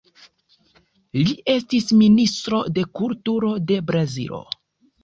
Li estis ministro de Kulturo de Brazilo.